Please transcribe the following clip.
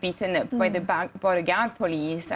seorang lelaki yang dibuat terburu buru oleh polisi